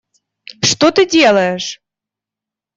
Что ты делаешь?